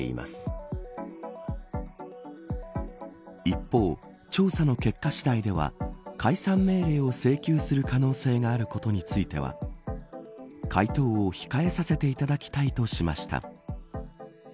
一方、調査の結果次第では解散命令を請求する可能性があることについては回答を控えさせていただきたいとしました。